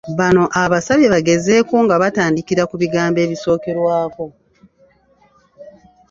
Bano abasabye bagezeeko nga batandikira ku bigambo ebisokerwako.